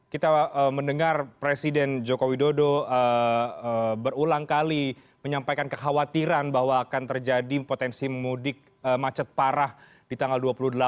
kita mendengar presiden joko widodo berulang kali menyampaikan kekhawatiran bahwa akan terjadi potensi mudik macet parah di tanggal dua puluh delapan